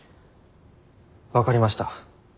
分かりました。